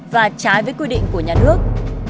và trái với quy định của nhà nước